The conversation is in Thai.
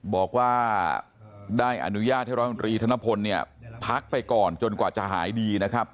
บอกว่าได้อนุญาตให้รศธนพลพักไปก่อนจนกว่าจะหายดีนะครับ